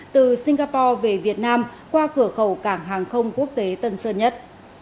từ singapore về việt nam qua cửa khẩu cảng hàng không quốc tế tân sơn nhất